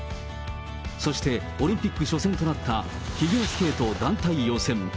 そしてオリンピック初戦となったフィギュアスケート団体予選。